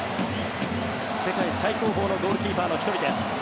世界最高峰のゴールキーパーの１人です。